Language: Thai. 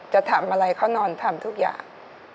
จะทำอะไรเขานอนทำทุกอย่าง